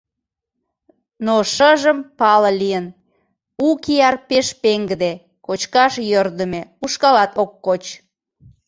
Но шыжым пале лийын: у кияр пеш пеҥгыде, кочкаш йӧрдымӧ, ушкалат ок коч.